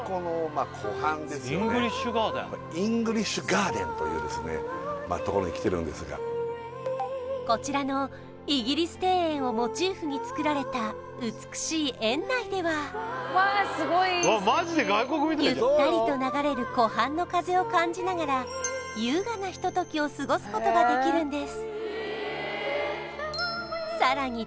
まあところに来てるんですがこちらのイギリス庭園をモチーフにつくられた美しい園内ではゆったりと流れる湖畔の風を感じながら優雅なひとときを過ごすことができるんですさらに